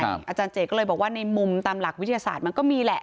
อาจารย์เจก็เลยบอกว่าในมุมตามหลักวิทยาศาสตร์มันก็มีแหละ